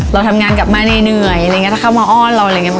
เราทำงานกลับมาหน่อยถ้าเขามาอ้อนเราก็จะแฮปปี้